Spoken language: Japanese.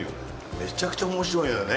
めちゃくちゃ面白いよね